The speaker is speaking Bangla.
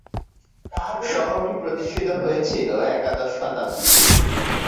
শহরটি প্রতিষ্ঠিত হয়েছিল একাদশ শতাব্দীতে।